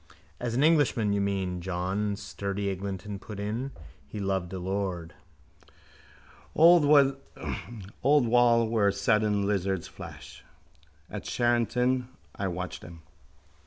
—As an Englishman, you mean, John sturdy Eglinton put in, he loved a lord. Old wall where sudden lizards flash. At Charenton I watched them.